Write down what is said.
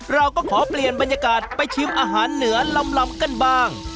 เราก็ขอเปลี่ยนบรรยากาศไปชิมอาหารเหนือลำกันบ้าง